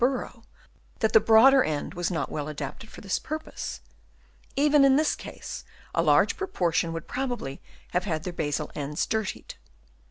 burrow, that the broader end was not well adapted for this purpose — even in this case a large proportion would probably have had their basal ends dirtied.